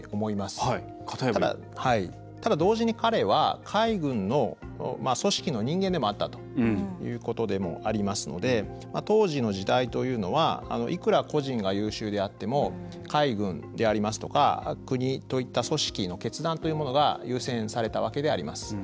ただ同時に彼は海軍の組織の人間でもあったということでもありますので当時の時代というのはいくら個人が優秀であっても海軍でありますとか国といった組織の決断というものが優先されたわけであります。